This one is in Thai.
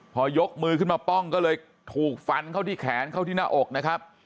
พอยกมือขึ้นมาป้องก็เลยถูกฟันเข้าที่แขนเข้าที่หน้าอกนะครับ